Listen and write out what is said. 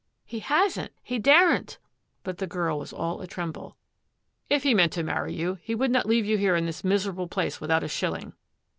''" He hasn't ; he daren't !" But the girl was all a tremble. " If he meant to marry you, he would not leave you here in this miserable place without a shilling."